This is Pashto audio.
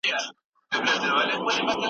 دا بری او سخاوت دی